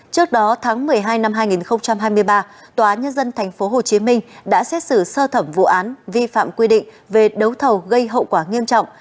trước đó tháng một mươi hai năm hai nghìn hai mươi ba tòa nhân dân tp hcm đã xét xử sơ thẩm vụ án vi phạm quy định về đấu thầu gây hậu quả nghiêm trọng